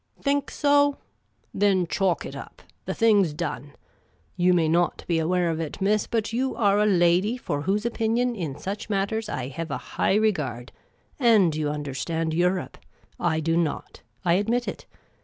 " Think .so ? Then chalk it up ; the thing 's done. Vou may not be aware of it, miss, but you are a lady for whose opinion in such matters I hev a high regard. Aud you understand luirope. I do not. I admit it.